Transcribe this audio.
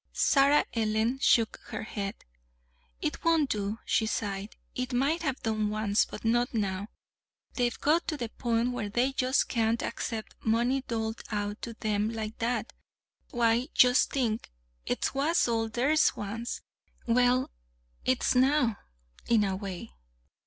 Sarah Ellen shook her head. "It won't do," she sighed. "It might have done once but not now. They've got to the point where they just can't accept money doled out to them like that. Why, just think, 't was all theirs once!" "Well, 'tis now in a way."